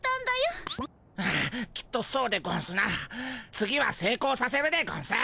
次はせいこうさせるでゴンス。